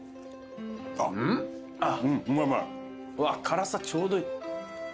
辛さちょうどいい。